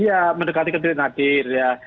iya mendekati kemudian hadir ya